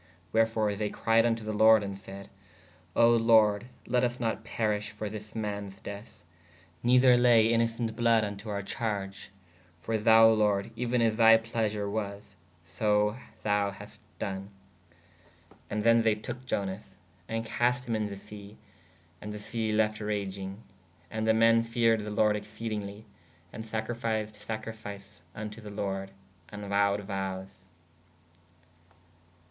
Wherefore they cried vn to the lorde & sayd: O lorde latt vs not perih for this mans deeth/ nether laye innocēt bloud vn to oure charge: for thou lorde even as thy pleasure was/ so thou hast done. ¶ And thē they toke Ionas/ & cast hī in to [the] se/ & the se left ragynge. And [the] men feared the lorde excedingly: & sacrificed sacrififice vn to the lorde: and vowed vowes.